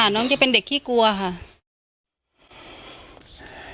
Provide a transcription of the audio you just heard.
น้องจะเป็นเด็กขี้กลัวค่ะ